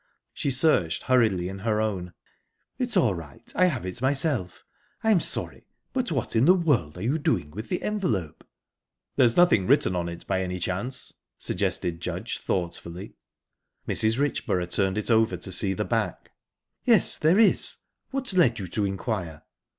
She searched hurriedly in her own. "It's all right I have it myself. I'm sorry. But what in the world are you doing with the envelope?" "There's nothing written on it, by any chance?" suggested Judge thoughtfully. Mrs. Richborough turned it over to see the back. "Yes, there is. What led you to inquire?"